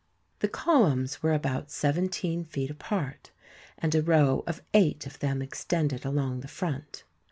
The columns were about seventeen feet apart, and a row of eight of them extended along the front.